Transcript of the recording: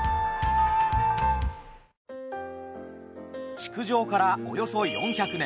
築城からおよそ４００年。